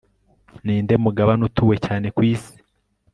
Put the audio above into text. ninde mugabane utuwe cyane kwisi